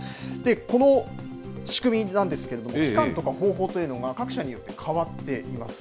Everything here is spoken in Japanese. この仕組みなんですけれども、期間とか方法というのが各社によって変わっています。